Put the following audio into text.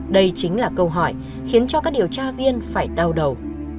đây chính là câu hỏi khiến cho các điều tra viên phải đau đầu